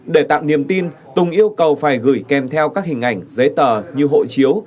để tạo niềm tin tùng yêu cầu phải gửi kèm theo các hình ảnh giấy tờ như hộ chiếu